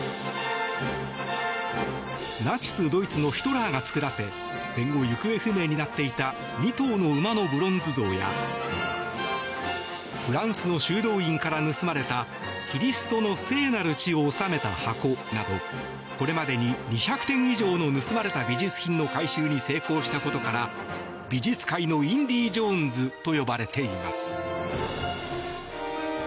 ナチス・ドイツのヒトラーが作らせ戦後行方不明になっていた２頭の馬のブロンズ像やフランスの修道院から盗まれたキリストの聖なる血を納めた箱などこれまでに２００点以上の盗まれた美術品の回収に成功したことから美術界のインディ・ジョーンズと呼ばれています。